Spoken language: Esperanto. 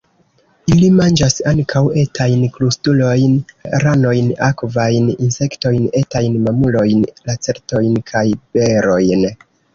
Ili manĝas ankaŭ etajn krustulojn, ranojn, akvajn insektojn, etajn mamulojn, lacertojn kaj berojn.